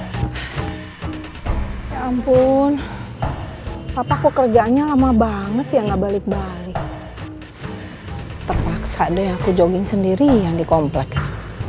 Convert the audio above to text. sebelah kini ya ampun apa kok kerjanya lama banget ya nggak balik balik terpaksa deh aku jogging sendiri yang dikompleks